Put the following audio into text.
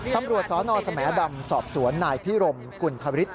ตำรวจสนสมดำสอบสวนนายพิรมกุณฑริส